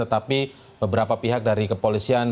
tetapi beberapa pihak dari kepolisian